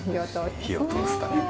火を通すために。